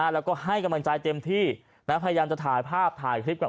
แล้วก็ให้กำลังใจเต็มที่พยายามจะถ่ายภาพถ่ายคลิปกับ